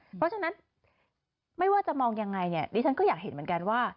เพราะฉะนั้นไม่ว่าจะมองยังไงเนี่ยดิฉันก็อยากเห็นเหมือนกันว่า